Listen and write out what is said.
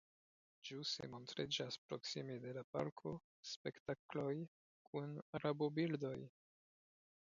Ĵuse montriĝas proksime de la parko spektakloj kun rabobirdoj.